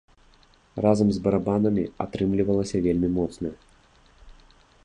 Разам з барабанамі атрымлівалася вельмі моцна.